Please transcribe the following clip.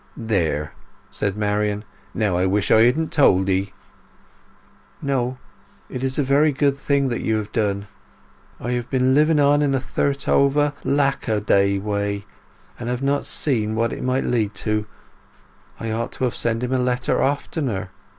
"There!" said Marian. "Now I wish I hadn't told 'ee!" "No. It is a very good thing that you have done! I have been living on in a thirtover, lackaday way, and have not seen what it may lead to! I ought to have sent him a letter oftener.